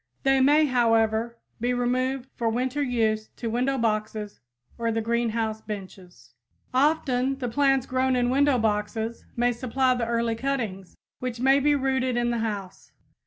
They may, however, be removed for winter use to window boxes or the greenhouse benches. [Illustration: Flower Pot Propagating Bed] Often the plants grown in window boxes may supply the early cuttings, which may be rooted in the house.